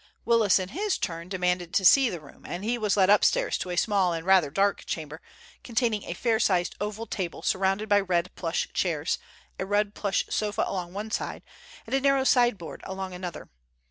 Willis in his turn demanded to see the room, and he was led upstairs to a small and rather dark chamber, containing a fair sized oval table surrounded by red plush chairs, a red plush sofa along one side, and a narrow sideboard along another.